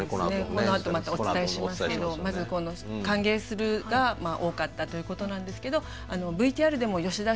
このあとまたお伝えしますけどまず「歓迎する」が多かったということなんですけどＶＴＲでも吉田嗣